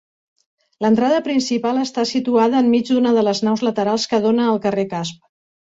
L'entrada principal està situada enmig d'una de les naus laterals, que dóna al carrer Casp.